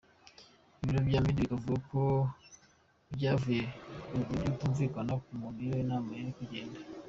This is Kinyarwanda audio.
Ibiro vya Mahdi bikavuga ko vyavuye ku kutumvikana ku kuntu iyo nama yari kugenda.